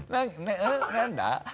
何だ？